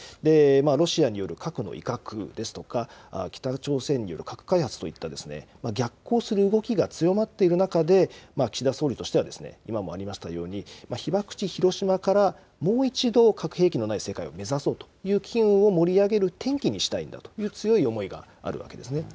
ロシアによる核の威嚇ですとか、北朝鮮による核開発といった逆行する動きが強まっている中で、岸田総理としては今もありましたように、被爆地、広島からもう一度、核兵器のない世界を目指そうという機運を盛り上げる転機にしたいんだという強い思いがあるわけですね。